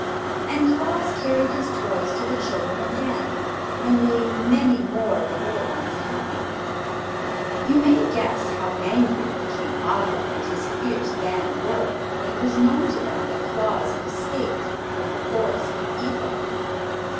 And Claus carried his toys to the children again, and made many more of the little ones happy. You may guess how angry the King Awgwa and his fierce band were when it was known to them that Claus had escaped from the Forest of Ethop.